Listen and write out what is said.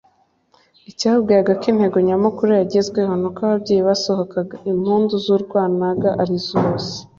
Icyababwiraga ko intego nyamukuru yagezweho nuko ababyeyi basohokaga impundu z’urwanaga ari zose